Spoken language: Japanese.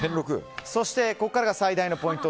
そしてここからが最大のポイント。